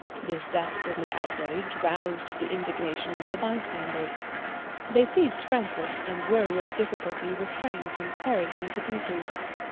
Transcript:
This dastardly outrage roused the indignation of the bystanders. They seized Francis, and were with difficulty restrained from tearing him to pieces.